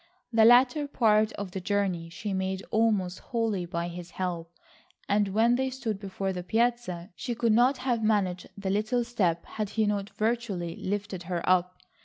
The latter part of the journey she made almost wholly by his help, and when they stood before the piazza, she could not have managed the little step had he not virtually lifted her up.